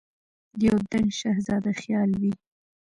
د یو دنګ شهزاده خیال وي